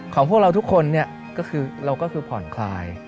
ของพวกเราทุกคนเนี่ยก็คือเราก็คือผ่อนคลาย